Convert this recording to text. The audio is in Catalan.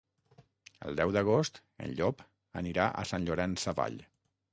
El deu d'agost en Llop anirà a Sant Llorenç Savall.